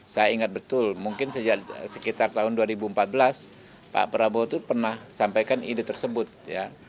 saya ingat betul mungkin sejak sekitar tahun dua ribu empat belas pak prabowo itu pernah sampaikan ide tersebut ya